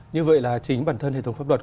như vậy là chính bản thân hệ thống pháp luật